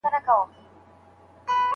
مړ مار باید په ډګر کي د ږغ او پاڼي لاندې وي.